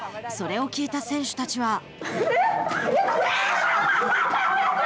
それを聞いた選手たちは。